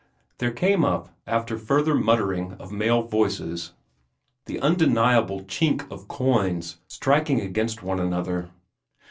There came up, after further muttering of male voices, the undeniable chink of coins striking against one another.